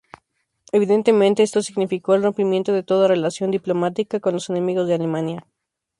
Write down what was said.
Evidentemente, esto significó el rompimiento de toda relación diplomática con los enemigos de Alemania.